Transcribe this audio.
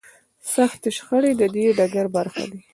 سختې شخړې د دې ډګر برخه دي.